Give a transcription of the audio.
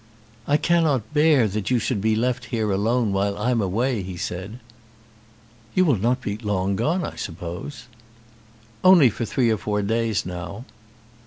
"I cannot bear that you should be left here alone while I am away," he said. "You will not be long gone, I suppose?" "Only for three or four days now."